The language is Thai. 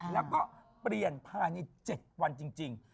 แล้วก็เปลี่ยนภายใน๗วันจริง